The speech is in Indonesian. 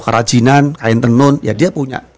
kerajinan kain tenun ya dia punya